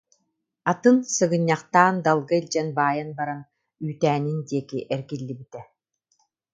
Атын сыгынньахтаан дал- га илдьэн баайан баран үүтээнин диэки эргиллибитэ